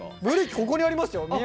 ここにありますよ。